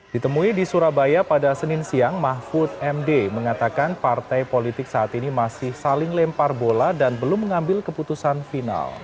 ditemui di surabaya pada senin siang mahfud md mengatakan partai politik saat ini masih saling lempar bola dan belum mengambil keputusan final